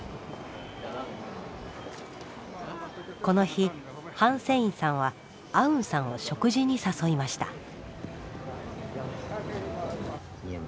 この日ハン・セインさんはアウンさんを食事に誘いました。